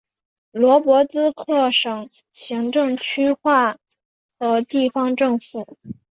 波罗兹克省行政区划和地方政府。